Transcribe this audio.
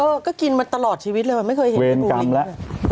เออก็กินมาตลอดชีวิตเลยไม่เคยเห็นไม่รู้อีกเวรกรรมแล้ว